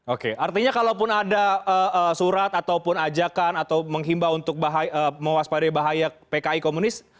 oke artinya kalaupun ada surat ataupun ajakan atau menghimbau untuk mewaspadai bahaya pki komunis